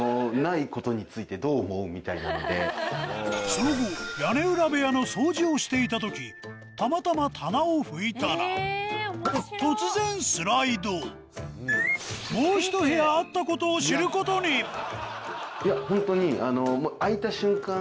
その後屋根裏部屋の掃除をしていた時たまたま棚をふいたら突然スライドもうひと部屋あったことを知ることにいやほんとにあの。